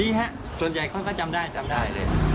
ดีครับส่วนใหญ่ก็จำได้จำได้เลย